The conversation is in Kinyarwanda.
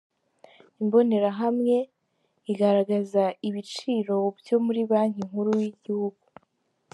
Imbonerahamwe igaragaza ibiciro byo muri Banki Nkuru y'igihugu.